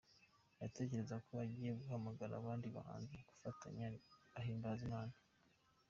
Natekerezaga ko agiye guhamagara abandi bahanzi tugafatanya guhimbaza Imana.